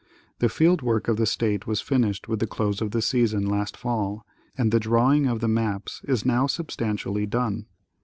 The field work of the state was finished with the close of the season last fall, and the drawing of the maps is now substantially done.